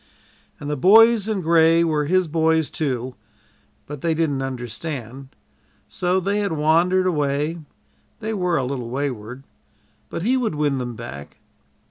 And "the Boys in Gray" were his "boys," too, but they didn't understand, so they had wandered away they were a little wayward, but he would win them back.